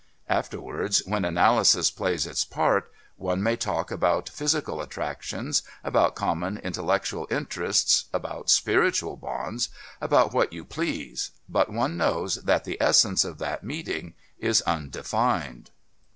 Afterwards, when analysis plays its part, one may talk about physical attractions, about common intellectual interests, about spiritual bonds, about what you please, but one knows that the essence of that meeting is undefined.